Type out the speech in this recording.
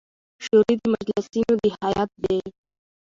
شوري د مجلسـینو د هیئـت د